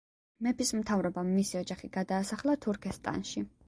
მეფის მთავრობამ მისი ოჯახი გადაასახლა თურქესტანში.